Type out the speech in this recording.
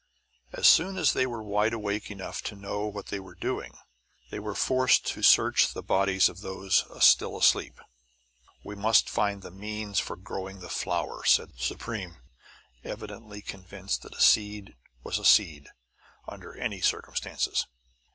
As soon as they were wide awake enough to know what they were doing, they were forced to search the bodies of those still asleep. "We must find the means for growing the flower," said Supreme, evidently convinced that a seed was a seed, under any circumstances.